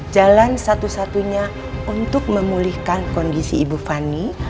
jalan satu satunya untuk memulihkan kondisi ibu fani